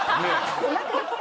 うまくできたよ！